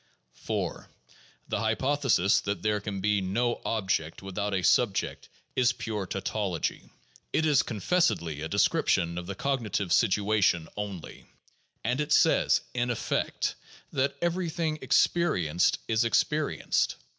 4. The hypothesis that "there can be no object without a sub ject" is pure tautology. It is confessedly a description of the cog nitive situation only; and it says, in effect, that everything experi enced is experienced.